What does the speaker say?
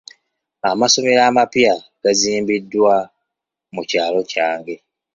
Amasomero amapya gazimbiddwa mu kyalo kyange.